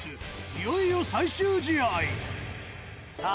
いよいよ最終試合さあ